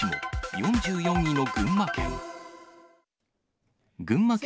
４４位の群馬県。